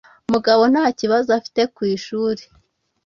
Mugabo nta kibazo afite ku ishuri.